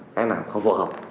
cái nào không phù hợp